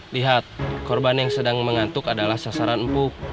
lihat korban yang sedang mengantuk adalah sasaran empuk